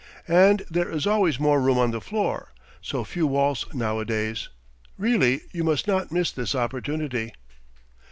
And there is always more room on the floor; so few waltz nowadays. Really, you must not miss this opportunity."